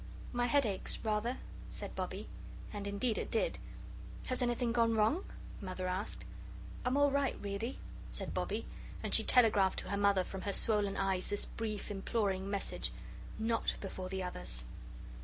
"My head aches, rather," said Bobbie. And indeed it did. "Has anything gone wrong?" Mother asked. "I'm all right, really," said Bobbie, and she telegraphed to her Mother from her swollen eyes this brief, imploring message "NOT before the others!"